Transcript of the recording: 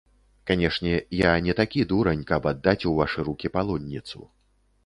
Канешне, я не такі дурань, каб аддаць у вашы ручкі палонніцу.